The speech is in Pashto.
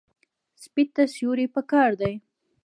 سپي ته سیوري پکار دی.